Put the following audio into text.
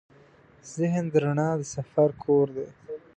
ذهن د رڼا د سفر کور دی.